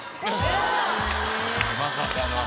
まさかの。